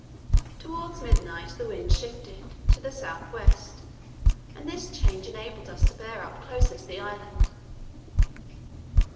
Towards midnight the wind shifted to the south west, and this change enabled us to bear up closer to the island.